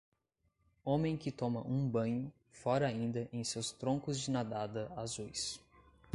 Homem que toma um banho fora ainda em seus troncos de nadada azuis.